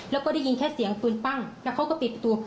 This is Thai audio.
แล้วก็ได้ยินแค่เสียงปืนปั้งแล้วเขาก็ปิดตัว